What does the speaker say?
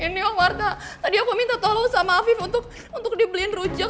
ini om warta tadi aku minta tolong sama afif untuk dibeliin rujak